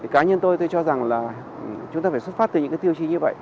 cá nhân tôi tôi cho rằng là chúng ta phải xuất phát từ những cái tiêu chí như vậy